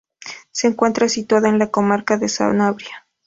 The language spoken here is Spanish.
Se encuentra situada en la comarca de Sanabria.